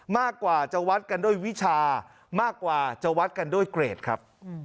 มากกว่าจะวัดกันด้วยวิชามากกว่าจะวัดกันด้วยเกรดครับ